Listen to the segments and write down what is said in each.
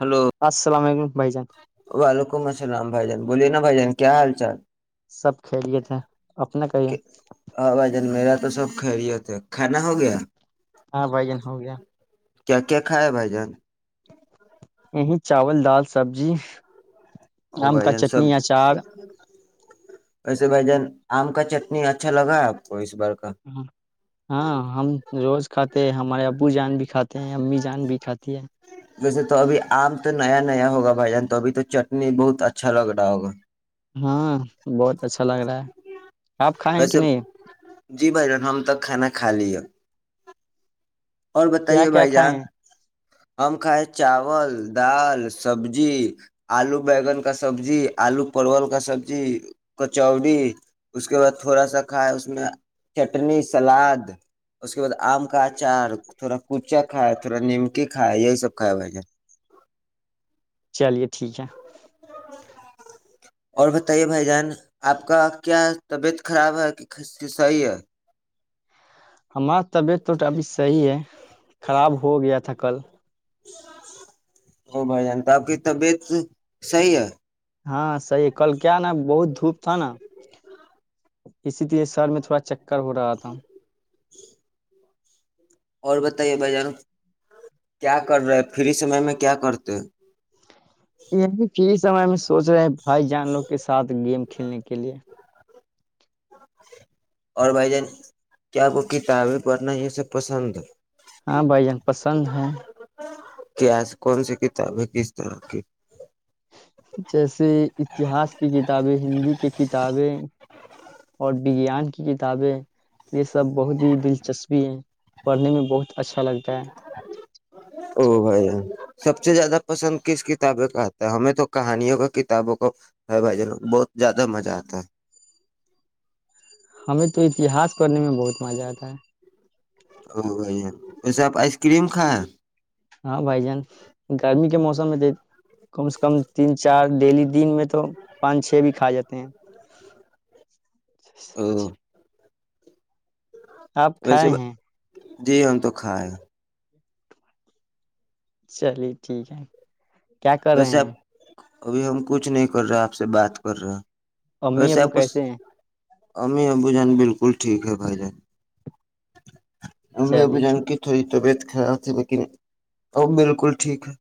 Hello السلام علیکم بھائی جان ولم السلام بھائی جان بولیے نا بائی جان کیا حال چال سب کھیلے تھے ہاں بھائی جان میرا تو سب خریت تو کھانا ہو گیا ہاں بائی جن ہو گیا کیا کیا کھ ہے بھائی جان نہیں چاول دال سبزی [unintelligible] آم کا چٹنی اچار کا جتنی اچھا لگا اپ کو اس بار کا ہاں ہم روز کھاتے ہیں ہم ہمارے ابو جان بھی کھاتے ہیں امی جان بھی کھاتی ہے ویسے تو ابھی عام تو نیا نیا ہوگا بھائی جان تو ابھی تو چٹنی بہت اچھا لگ رہا ہوگا ہاں بہت اچھا لگ رہا ہے آپ کھائے ہیں کہ نہیں جی بھائی جان ہم تو کھانا کھا لیا اور کیا بتائیے کیا بھائی کھائے جان ہیں ہم کھائے چاول دال سبزی آلو بیگن کا سبزی آلو پرول کا سبزی کچوڑی اس کے بعد تھوڑا سا کھائے اس میں چٹنی سلاد اس کے بعد آم کا اچار تھوڑا کچا کائے تھوڑا نیمکی کائے یہی سب کائے ہوئے چلیے ٹھیک ہے اور بتائیے بھائی جان آپ کا کیا طبیعت خراب ہے کہ صحیح ہے ہم طبیعت تو ابھی صحیح ہے خراب ہو گیا تھا کل ا بھائی جان تو آپ کی طبیعت صحیح ہے ہاں صحیح ہے کل کیا نا بہت دھوپ تھا نا اسی طرے سر میں تھوڑا چ ہو رہا تھا اور بتائیے ب جانا کیا کر رہا ہے فری سمے میں کیا کرتے ہیں یہ کی سمے میں سوچ رہے ہیں بھائی جان لوگ کے ساتھ گیم کھیلنے کے لیے اور بھائی جان کیا کو کتابیں پڑھنا یہ سب پسند ہاں بھائی جان پسند ہیں کیاس کون سی کتاب ہے کس طرح کی جیسے اتہاس کی کتابیں ہندی کی کتابیں اور وگیان کی کتابیں یہ سب بہت ہی دلچسپی ہیں پڑھنے میں بہت اچھا لگتا ہے او بھائی جان سب سے زیادہ پسند کس کتابیں کا آتا ہے ہمیں تو کہانیوں کا کتابوں کو ہے بھائی جان بہت زیادہ مزہ آتا ہے ہمیں تو اتہاس پڑنے میں بہت مزہ آتا ہے او ویسے آپ آئس کریم کھائیں ہاں بھائی جان گرمی کے کم سے کم تین چار ڈیلی دن میں تو پانچ چھ بھی کھا جاتے ہیں س پ او آپ ویسے کھائے ہیں جی ہم تو کھاائے چلیے ٹھیک ہے کیا کر رہے ویسے ہیں آپ ابھی ہم کچھ نہیں کر رہے آپ سے بات کر رہے امی ویسے ابو آپ کو کیسے ہیں امی ابو جان بالکل ٹھیک ہے بھائی جان امی اب چلیے ٹھیک جان کی تھوڑی طبعت ہ میک ا بالکل ٹھیک ہے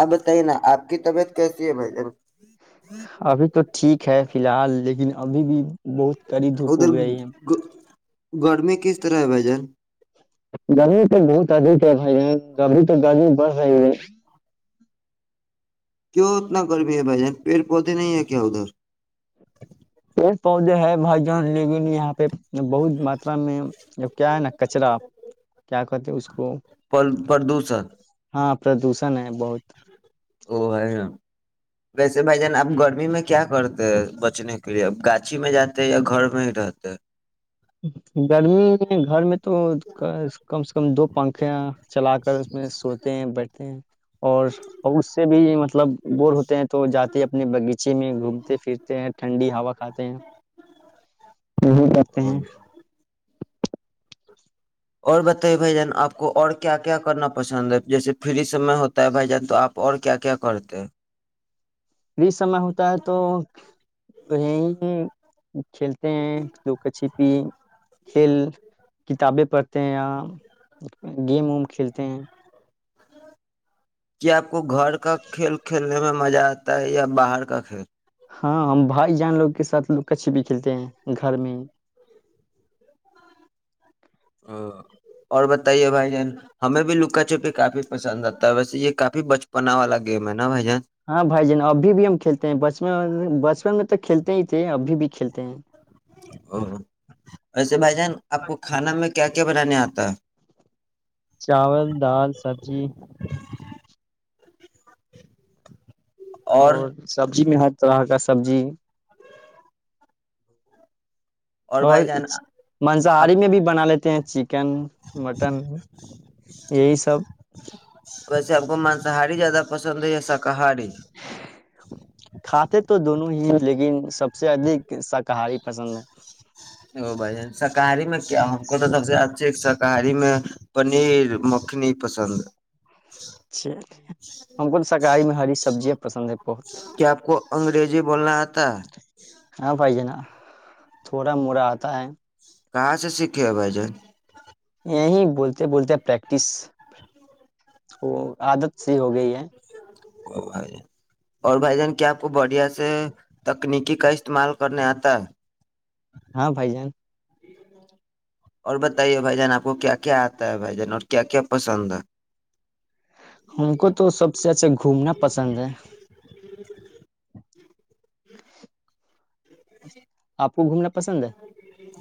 آپ بتائی نا آپ کی طبیعت کیسی ہے بھائی جن ابھی تو ٹھیک ہے فی الحال لیکن ابھی بھی بہت کڑی دھوپ ادھر اگ رہی ہے گ [unintelligible] گرمی کس طرح ہے بھائی جان گمی تو بہت ادھ ہے بھائی یہ گبھی تو گی بڑ رہ کیوں اتنا گرمی ہے بھائی جان پیڑ پودے نہیں ہے کیا ادھر پیڑ پودے ہے بھائی جان لیکن یہاں پہ بہت ماتا میں کیا ہے نا کچرا کیا کہتے ہیں اس کو پردوشن ہاں پردوشن ہے بہت وہ ہے ن ویسے بھائی جان اب گرمی میں کیا کرتے ہیں بچنے کے لیے اب گاچھی میں جاتے یا گھر میں ہی رہتے گرمی گھر میں تو کم سے کم دو پنکھا چلا کر اس میں سوتے ہیں بیٹھتے ہیں اور اور اس سے بھی مطلب بور ہوتے ہیں تو جاتے ہیں اپنے باغیچے میں گھومتے پھرتے ہیں ٹھنڈی ہوا کھاتے ہیں وہ جاتے ہیں اور بتائیے بھائی جان آپ کو اور کیا کیا کرنا پسند ہے جیسے فری سمے ہوتا ہے بھائی جان تو آپ اور کیا کیا کرتے ہیں ر سمے ہوتا ہے تو آپ کو ہے کی چلتے ہیں لاگ چپ کی فیر کتبے پڑتے ہیں آپ گیم ہم کھیلتے ہیں۔ کیا آپ کو گھر کا کھیل کھیلنا پسند کھلنے میں مزہ آتا ہے یا بہار کا کھیل ہا ہم بھائی جان لاگ کے ساتھ لکہ چپی کھیلتے ہیں گھر میں یا بتائے بھائی جان ہم بھی لوکا چپی کافی پسند آتا ہے ویسے یہ کافی بچپن والا گیم ہے نا بھائی جان ہا بھائی جان ابھی بھی ہم کھیلتے ہیں بچپن بچپن میں سے کھیلتے ہی ابھی بھی کھیلتے ہیں۔ ویسے بھائی جان آپ کو کہنا میں نے کیا کیا کیلا آتا ہے۔ چاول دال سبزی اور سبجی میں [unintelligible] سبجی اور بھائی جان آپ منشااری میں بھی بنا لے [unintelligible] چکن متان یائی سب ویسے [unintelligible] پسند ہے یا سخاہری کھاتے تو دونوں ہی لیکن سب سے زیادہ سکھاری پاسند ہے اوہ بھئی جان سکھاری میں کیا ہمکو تو سب سے اچھی سکھاری میں پنیر مکھنی پسند ہے [inaudible] پسند بہت کہ اپ کو انگریزی بولنا اتا ہے ہاں بھائی جان تھوڑا مرا اتا ہے کہاں سے سیکھے بھائی جان یہ نہیں بولتے بولتے پریکٹس وہ عادت سے ہو گئی ہے او بھائی اور بھائی جان کیا اپ کو باڈی سے تکنیکی کا استعمال کرنے اتا ہے ہاں بھائی جان اور بتائیے بھائی جان آپ کو کیا کیا آتا ہے بھائی جان اور کیا کیا پسند ہے ہم کو تو سب سے اچھا گھومنا پسند ہے آپ کو گھومنا پسند ہے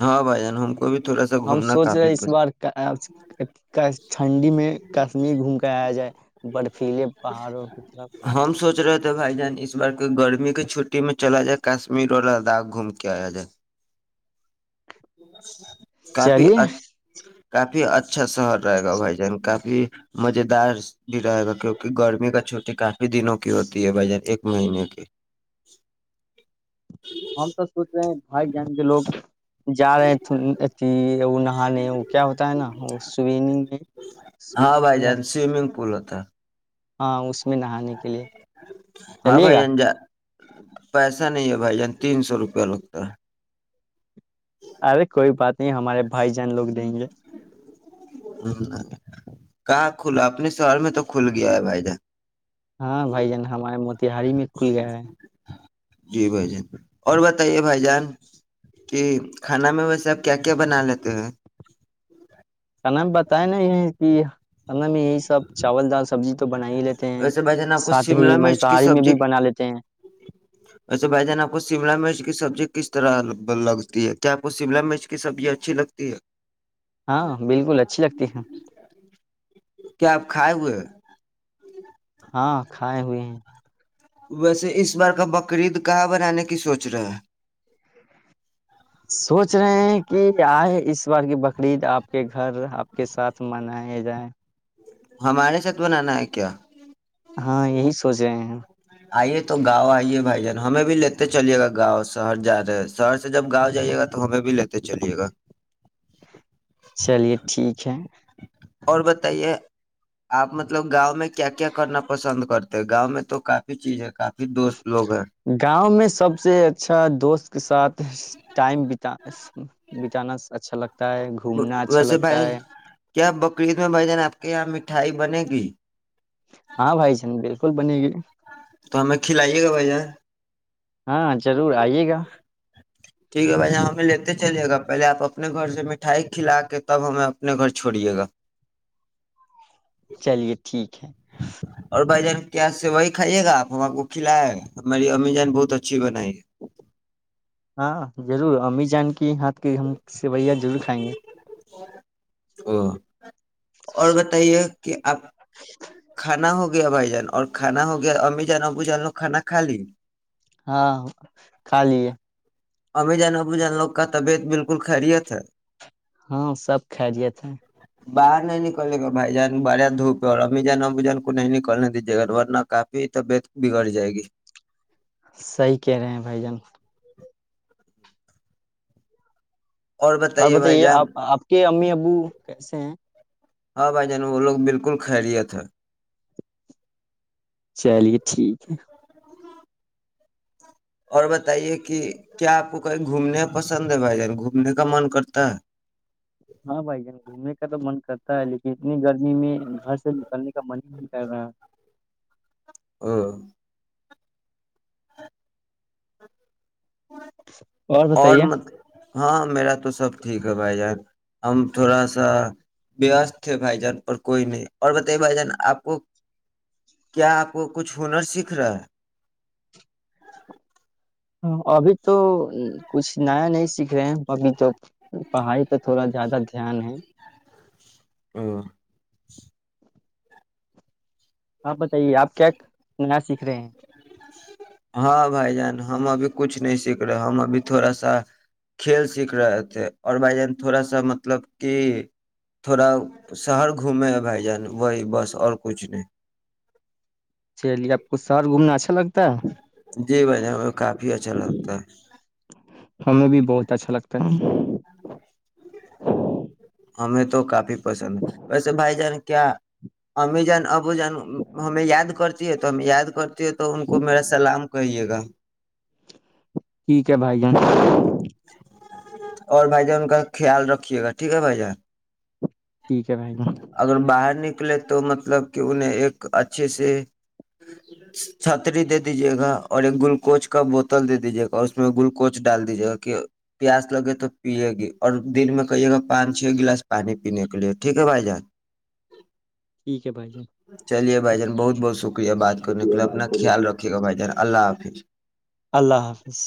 ہاں بھائی جان ہم کو بھی تھوڑا سا ہم گھومنا سوچ رہے ہیں کافی اس بار پسند کا ٹھنڈی میں کشمیر گھوم کے ایا جائے برفیلے پہاڑوں کی طرف ر دو بھائی جان اس بار کوئی گرمیوں کی چھٹی میں چلا جائے کشمی رولا داغ گھوم کے ایا ج [inaudible] کافی چلیے [unintelligible] کافی اچھا سا رہے گا بھائی جان کافی مزیدار بھی رہے گا کیونکہ گرمیوں کا چھٹی کافی دنوں کی ہوتی ہے بھائی جان ایک مہینے کی ہم تو سوچ رہے ہیں گن کے لوگ جا رہے ہیں وہ کیا ہاں بھائی جان سوئمنگ پول ہوتا [unintelligible] [inaudible] نہانے کے لیے ہے ہاں چلیے بھائی گا [inaudible] ارے کوئی بات نہیں ہمارے بھائی جان لوگ دیں گے [inaudible] کہاں کھلا اپنے سول میں تو کھل گیا ہے بھائی جان ہاں بھائی جان ہمارے موتہاری میں کھل گیا ہے جی بھائی جان اور بتائیے بھائی جان کہ کھانا میں ویسے اپ کیا کیا بنا لیتے ہو صنم بتائیں نا اس کی [unintelligible] میں یہی سب چاول ڈال [unintelligible] ابھی تو [unintelligible] بنا ہی لیتے ہیں ویسے بھائی جان آپ کو ساتھ ہی شملہ مرچ منزاری میں بھی بنا لیتے ہیں اچھا بھائی جان اپ کو سولر کی سبجیکٹ کس طرح لگتی ہے کیا اپ کو سمل مرچ کی سب یہ اچھی لگتی ہے ہاں بالکل اچھی لگتی ہے کیا اپ کھائے ہوئے ہاں کھائے ہوئے ہیں ویسے اس بار کا بکر عید گاہ بنانے کی سوچ رہا ہے سوچ رہے ہیں کہ ائے اس بار کی بکری اپ کے گھر اپ کے ساتھ منائے جائیں ہمارے ساتھ بنانا ہے کیا ہاں یہی سوچ رہے ہیں [inaudible] [inaudible] آئیے تو گاؤں آئیے بھائی جان ہمیں بھی لیتے چلیے گا سر جا رہا ہے سر سے جب گاؤ جائیے گا تو ہمیں بھی لیتے چلیے گا چلیے ٹھیک ہے اور بتائیے اپ مطلب گاؤں میں کیا کیا کرنا پسند کرتے ہیں گاؤں میں تو کافی چیزیں کا گاؤں میں سب سے اچھا دوست سات ٹائم بتانا اچھا لگتا اچھا ویسے لگتا بھائی ہے کیا بکری میں بھائی جان اپ کی مٹھائی بنے گی ہاں بھائی جان بالکل بنے گی تو ہمیں کھلائیے گا بھائی جان ٹھیک ہے میں یہاں پہ لیتے چلے گا پہلے اپ اپنے گھر سے مٹھائی کھلا کے تب ہمیں اپنے گھر چلیے ٹھیک ہے میری امی جان بہت اچھی بنائی ہے ہاں ضرور امی جان کی ہات کہ ہم سوئیاں ضرور کھائیں گے او اور بتائیے کہ آپ کھانا ہو گیا بھائی جان اور کانا ہو گیا امی جان ابو جان لو کانا کالی ہاں خالی ہے ابھی جان اب جان لوگ کا طبیعت بالکل خیریت ہے ہاں سب کھجے تھے باہر نہیں نکلے گا بھائی جان بڑیا دھوپ اورا جانا جان کو نہیں نکلنے دیجیے گا ورنہ کافی طبیعت بگڑ جائے گی صحی کہہ رہے ہیں بھائی جان اور بتائیے آپ آپ کے امی ابو کیسے ہیں ہاں بھائی جان وہ لوگ بالکل خیریت ہے چلیے ٹھیک ہے اور بتائیے کہ کیا آپ کو کہیں گھومنے پسند ہے بھائی جان گھومنے کا من کرتا ہے ہاں بھائی جان گھومنے کا تو من کرتا ہے لیکن اتنی گرمی میں گھر سے نکلنے کا من ہی نہیں کر رہا ہاں اور م ہاں میرا تو سب ٹھیک ہے بھائی جان ہم تھوڑا سا بیست تھے بھائی جان اور کوئی نہیں اور بتائیے بھائی جان آپ کیا آپ کو کچھ ہنر سیکھ رہا ہے ہاں ابھی تو کچھ نیا نہیں سیکھ رہے ہیں ابھی تو پڑھائی پہ تھوڑا زیادہ دھیان ہے او [unintelligible] آپ ب [unintelligible] صحی آپ کیا نیا سیک کررییں ہاں بھائی جان ہم ابھی کچھ نہیں سیکھ رہے ہم ابھی تھوڑا سا کھیل سیکھ رہے تھے اور بھائی جان تھوڑا سا مطلب کہ تھوڑا شہر گھومے ہے بھائی جان وہی بس اور کچھ نہیں چلیے آپ کو س شر گھومنا اچھا لگتا ہے [unintelligible] جی کافی اچھا لگتا ہے ہم ابھی بہت اچھا لگتا ہے ہمیں تو کافی بھائی جان کیا امی جان اب وہ جان ہمیں یاد کرتی ہے تو ہمیں یاد [unintelligible] یہ تو ان کو میرا سلام کہیے گا ٹھیک ہے بھائی جان اور بھائی جان کا خیال رکھیے گا ٹھیک ہے بھائی جان [unintelligible] اگر باہر [inaudible] تو مطلب کہ انہیں ایک اچھے سے چھتری دے دیجیے گا اورنگ گل کوچ کا بوتل دے دیجیے گا اس میں گل کوچ ڈال دیجیے گا کہ پیاس لگے تو پیے گی اور دل میں کہیے گا پانچ چھ گلاس پانی ٹھیک ہے بھائی جان [unintelligible] [inaudible] چلیے بھائی جان بہت بہت شکریہ بات کرنے کے شکریہ، لیے بات اپنا کرنے خیال کے لیے۔ رکھیے گا بھائی جان اللہ حافظ [unintelligible] اللہ حافظ